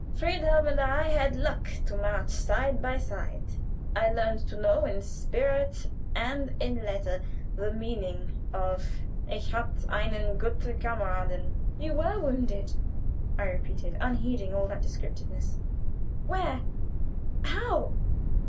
Friedhelm and I had luck to march side by side. I learned to know in spirit and in letter the meaning of Ich hatt' einen guten Cameraden." "You were wounded!" I repeated, unheeding all that discursiveness. "Where? How?